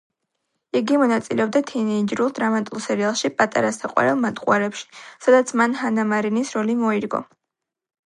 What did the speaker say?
იგი მონაწილეობდა თინეიჯერულ, დრამატულ სერიალში, „პატარა საყვარელ მატყუარებში“, სადაც მან ჰანა მარინის როლი მოირგო.